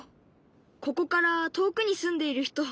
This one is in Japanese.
ここから遠くに住んでいる人。